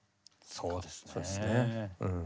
そうですねうん。